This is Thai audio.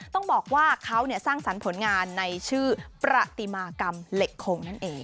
ต้องบอกว่าเขาสร้างสรรค์ผลงานในชื่อประติมากรรมเหล็กคงนั่นเอง